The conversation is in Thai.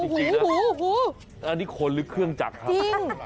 โอ้โหอันนี้คนหรือเครื่องจักรครับ